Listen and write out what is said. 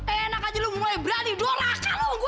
eh enak aja lo mulai berani dorakan lo sama gue